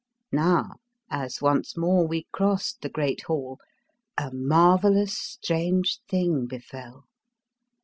Now, as once more we crossed the great hall, a marvellous strange thing befell.